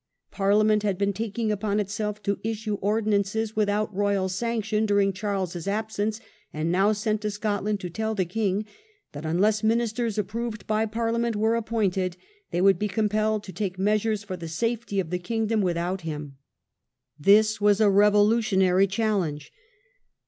Parliament had been taking upon itself to issue ordinances without Royal sanction during Charles's absence, and now sent to Scot land to tell the king that, unless ministers approved by Parliament were appointed, they would be compelled to take measures for the safety of the kingdom without him. This was a revolutionary challenge.